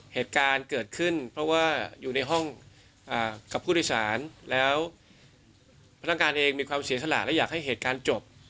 เหตุการณ์เกิดขึ้นเพราะว่าอยู่ในห้องกับผู้โดยสารแล้วพนักงานเองมีความเสียสละและอยากให้เหตุการณ์จบ